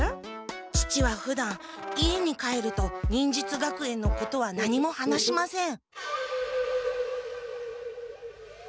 父はふだん家に帰ると忍術学園のことは何も話しません。